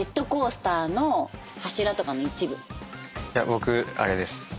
僕あれです。